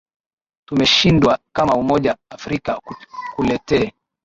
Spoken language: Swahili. tumeshindwa kama umoja afrika kuletee